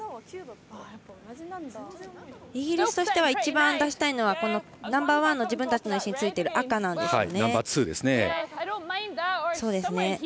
イギリスとしては一番出したいのはこのナンバーワンの自分たちの石についている赤なんですね。